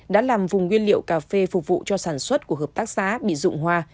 đã làm vùng nguyên liệu cà phê phục vụ cho sản xuất của hợp tác xã bị rụng hoa